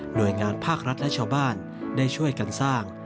โดยงานภาครัฐและชาวบ้านได้ช่วยกันสร้าง